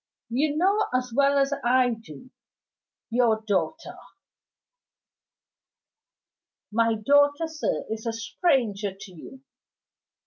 "You know as well as I do your daughter." "My daughter, sir, is a stranger to you.